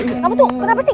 kamu tuh kenapa sih